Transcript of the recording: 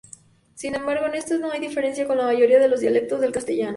Sin embargo en esto no hay diferencia con la mayoría de dialectos del castellano.